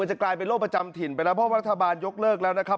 จะกลายเป็นโรคประจำถิ่นไปแล้วเพราะรัฐบาลยกเลิกแล้วนะครับ